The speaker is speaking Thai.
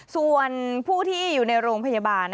ส่วนผู้ที่อยู่ในโรงพยาบาล